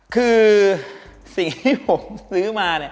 คือสิ่งที่ผมซื้อมา